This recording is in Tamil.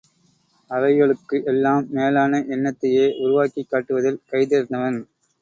அவைகளுக்கு எல்லாம் மேலான எண்ணத்தையே உருவாக்கிக் காட்டுவதில் கைதேர்ந்தவன்.